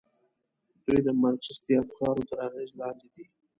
دوی د مارکسیستي افکارو تر اغېز لاندې دي.